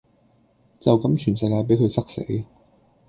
就咁全世界比佢塞死